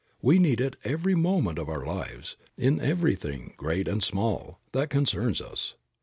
We need it every moment of our lives, in everything, great and small, that concerns us.